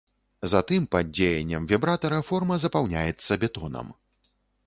Затым пад дзеяннем вібратара форма запаўняецца бетонам.